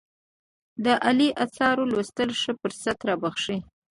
د عالي آثارو لوستل ښه فرصت رابخښي.